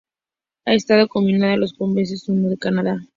Ha estado nominada a los Premios Juno de Canadá.